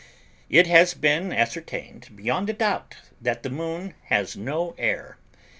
It has been ascertained beyond a doubt that the Moon has no air.